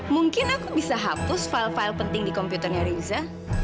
mungkin aku bisa hapus file file penting di komputernya riza